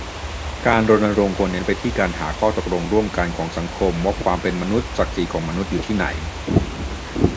การรณรงค์ควรจะเน้นไปที่การหาข้อตกลงร่วมกันของสังคมว่าความเป็นมนุษย์ ศักดิ์ศรีของมนุษย์อยู่ที่ไหน